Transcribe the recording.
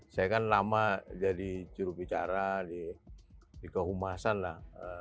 saya kan lama jadi juru bicara di kehumasan lah